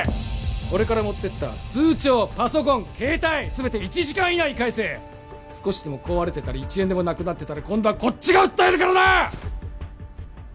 俺から持ってった通帳パソコン携帯全て１時間以内に返せ少しでも壊れてたり１円でもなくなってたら今度はこっちが訴えるからな！